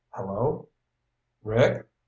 "Hello?" "Rick? ...